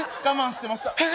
我慢してました。